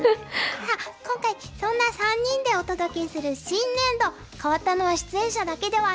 あっ今回そんな３人でお届けする新年度変わったのは出演者だけではありません。